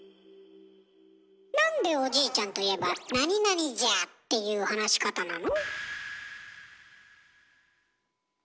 なんでおじいちゃんといえば「じゃ」っていう話し方なの？